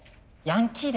ヤンキー？